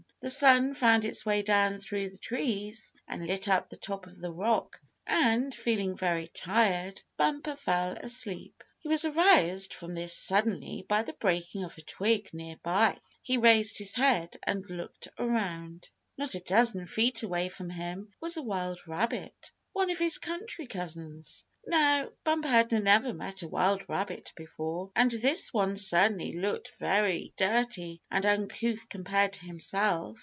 The sun found its way down through the trees and lit up the top of the rock, and, feeling very tired, Bumper fell asleep. He was aroused from this suddenly by the breaking of a twig near by. He raised his head and looked around. Not a dozen feet away from him was a wild rabbit, one of his country cousins. Now, Bumper had never met a wild rabbit before, and this one certainly looked very dirty and uncouth compared to himself.